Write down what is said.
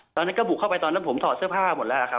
ตอนนั้นก็บุกเข้าไปตอนนั้นผมถอดเสื้อผ้าหมดแล้วครับ